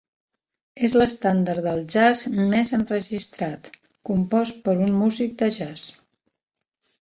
És l'estàndard del jazz més enregistrat, compost per un músic de jazz.